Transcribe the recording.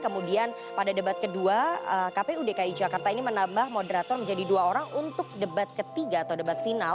kemudian pada debat kedua kpu dki jakarta ini menambah moderator menjadi dua orang untuk debat ketiga atau debat final